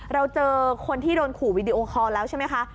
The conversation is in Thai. เราเจอคนที่โดนขู่วีดีโอคอลแล้วใช่ไหมคะ